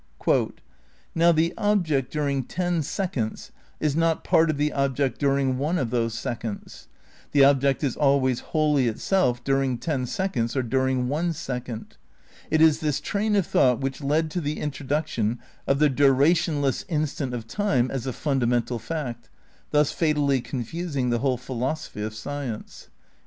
"Now the object during ten seconds is not part of the object dur ing one of those seconds. The object is always wholly itself during ten seconds or during one second. It is this train of thought which led to the introduction of the durationless instant of time as a fundamental fact, thus fatally confusing the whole philosophy of science."